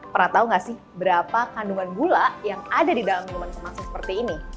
pernah tahu nggak sih berapa kandungan gula yang ada di dalam minuman semaksi seperti ini